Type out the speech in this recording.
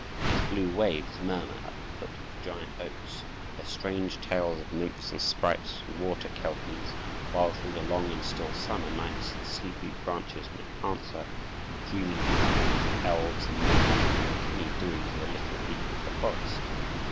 Its blue waves murmur, at the foot of giant oaks, their strange tales of nymphs and sprites and water kelpies, while through the long and still summer nights the sleepy branches make answer, in dreamy whisperings, of elves and gnomes and the uncanny doings of the little people of the forest.